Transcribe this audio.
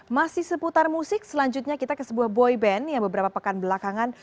masih seputar musik selanjutnya kita ke sebuah boy band yang beberapa pekan belakangan